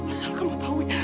asal kamu tahu wi